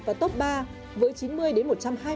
vào tốc ba với chín mươi đến một trăm hai mươi